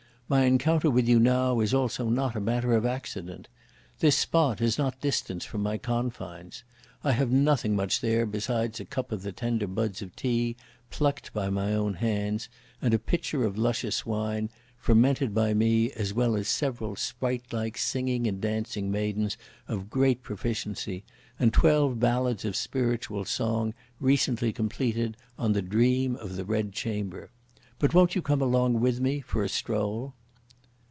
My encounter with you now is also not a matter of accident! This spot is not distant from my confines. I have nothing much there besides a cup of the tender buds of tea plucked by my own hands, and a pitcher of luscious wine, fermented by me as well as several spritelike singing and dancing maidens of great proficiency, and twelve ballads of spiritual song, recently completed, on the Dream of the Red Chamber; but won't you come along with me for a stroll?"